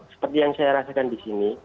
seperti yang saya rasakan di sini